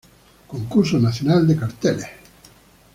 Concurso Nacional de carteles.